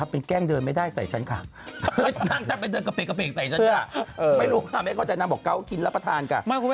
เปลี่ยนแล้วตอนนี้เริ่มเปลี่ยนแล้วอาจารย์